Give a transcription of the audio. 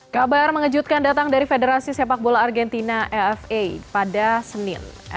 kabar mengejutkan datang dari federasi sepak bola argentina afa pada senin